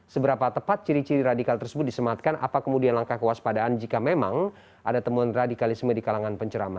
seberapa tepat ciri ciri radikal tersebut disematkan apa kemudian langkah kewaspadaan jika memang ada temuan radikalisme di kalangan pencerama